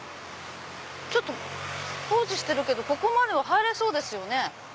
ちょっと工事してるけどここまでは入れそうですよね。